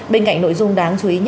bên cạnh nội dung đáng chú ý